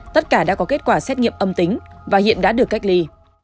tất cả đã có kết quả xét nghiệm âm tính và hiện đã được cách ly